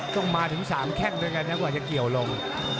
ต้องมาถึง๓แข้งด้วยกันนะกว่าจะเกี่ยวลง